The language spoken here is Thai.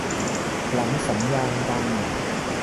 หลังสัญญาณดัง